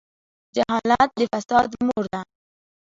جهالت د فساد مور ده.